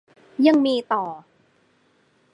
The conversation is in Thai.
ยังมีต่อ